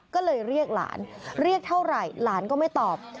ก็เลยเรียกหลานเรียกเท่าไหร่หลานก็ไม่ตอบ